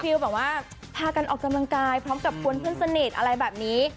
แบบว่าพากันออกกำลังกายพร้อมกับกวนเพื่อนสนิทอะไรแบบนี้